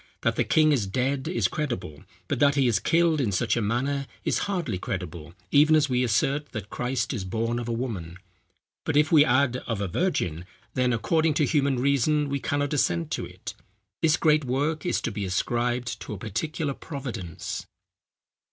That the king is dead, is credible; but that he is killed in such a manner is hardly credible: even as we assert that Christ is born of a woman; but if we add of a virgin; then, according to human reason, we cannot assent to it. This great work is to be ascribed to a particular providence."